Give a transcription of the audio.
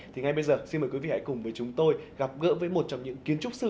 thì ngay bây giờ xin mời quý vị hãy cùng với chúng tôi gặp gỡ với một trong những kiến trúc sư